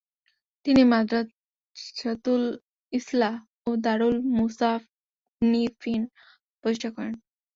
তিনি মাদরাসাতুল ইসলাহ ও দারুল মুসান্নিফীন প্রতিষ্ঠা করেন।